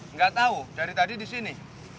nggak tahu dari tadi di sini